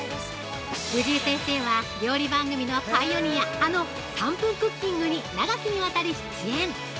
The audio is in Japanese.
藤井先生は料理番組のパイオニアあの「３分クッキング」に長きにわたり出演！